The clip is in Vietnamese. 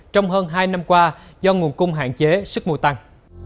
trong hơn hai năm qua do nguồn cung hạn chế sức mua tăng